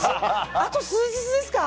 あと数日ですか？